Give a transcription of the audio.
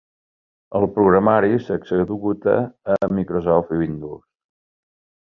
El programari s'executa a Microsoft Windows.